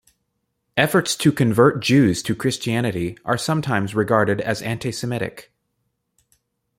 Efforts to convert Jews to Christianity are sometimes regarded as antisemitic.